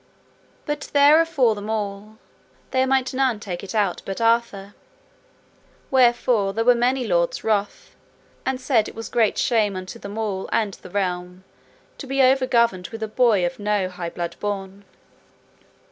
But there afore them all, there might none take it out but Arthur; wherefore there were many lords wroth, and said it was great shame unto them all and the realm, to be overgoverned with a boy of no high blood born.